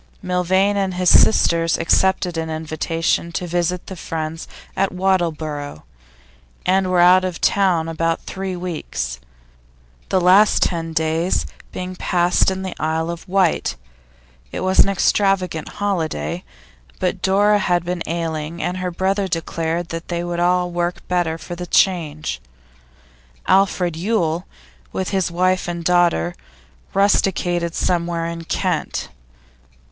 Milvain and his sisters accepted an invitation to visit friends at Wattleborough, and were out of town about three weeks, the last ten days being passed in the Isle of Wight; it was an extravagant holiday, but Dora had been ailing, and her brother declared that they would all work better for the change. Alfred Yule, with his wife and daughter, rusticated somewhere in Kent.